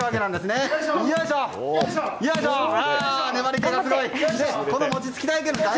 粘り気がすごい！